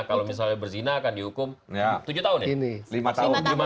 kalau misalnya berzina akan dihukum tujuh tahun ya